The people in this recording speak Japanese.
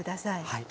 はい。